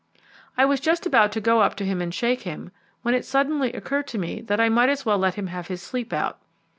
I was just about to go up to him and shake him, when it suddenly occurred to me that I might as well let him have his sleep out.